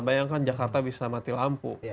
bayangkan jakarta bisa mati lampu